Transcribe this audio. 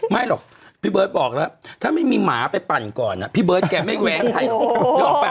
ไม่หรอกพี่เบิร์ตบอกแล้วถ้าไม่มีหมาไปปั่นก่อนพี่เบิร์ตแกไม่แว้งใครหรอกนึกออกป่